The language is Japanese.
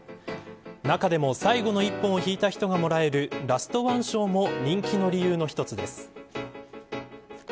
中でも、最後の一本を引いた人がもらえるラストワン賞も人気の理由の一つです。